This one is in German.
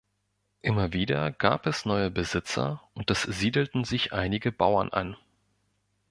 Immer wieder gab es neue Besitzer und es siedelten sich einige Bauern an.